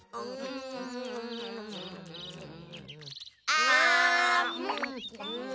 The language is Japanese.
あん。